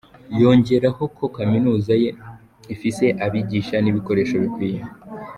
Yongeraho ko kaminuza ye ifise abigisha n'ibikoresho bikwiye.